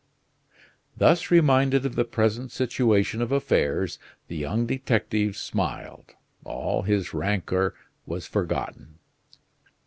Thus reminded of the present situation of affairs, the young detective smiled; all his rancor was forgotten.